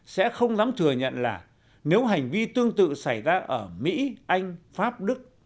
sẽ không dám thừa nhận là nếu hành vi tương tự xảy ra ở mỹ anh pháp đức